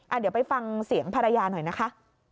เดี๋ยวไปฟังเสียงภรรยาหน่อยนะคะ